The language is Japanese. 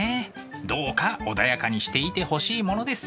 どうか穏やかにしていてほしいものです。